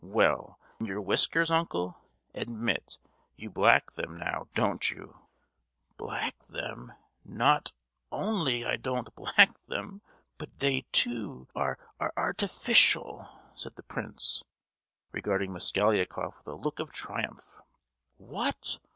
Well, and your whiskers, uncle! admit—you black them, now don't you?" "Black them? Not—only I don't black them, but they, too, are ar—tificial!" said the Prince, regarding Mosgliakoff with a look of triumph. "_What!